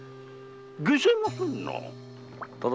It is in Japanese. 解せませんな？